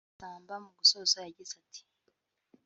Masamba mu gusoza yagize ati